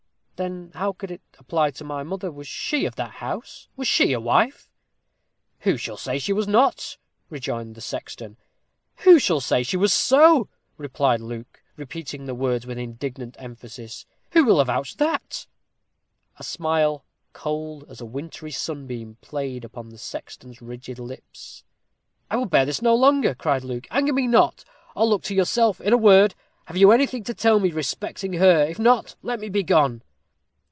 "Then how could it apply to my mother? Was she of that house? Was she a wife?" "Who shall say she was not?" rejoined the sexton. "Who shall say she was so?" cried Luke, repeating the words with indignant emphasis "who will avouch that?" A smile, cold as a wintry sunbeam, played upon the sexton's rigid lips. "I will bear this no longer," cried Luke; "anger me not, or look to yourself. In a word, have you anything to tell me respecting her? if not, let me begone."